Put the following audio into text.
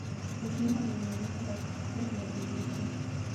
kupima vimiminika vya kupikia viazi lishe